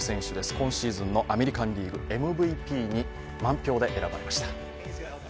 今シーズンのアメリカンリーグＭＶＰに満票で選ばれました。